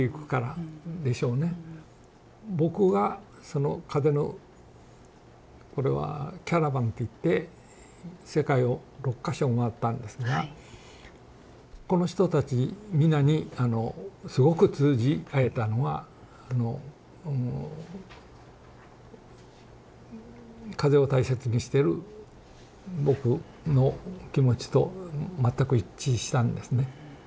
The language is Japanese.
僕がその風のこれはキャラバンっていって世界を６か所回ったんですがこの人たち皆にすごく通じ合えたのは風を大切にしてる僕の気持ちと全く一致したんですね。